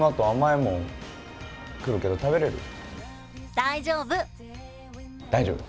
大丈夫。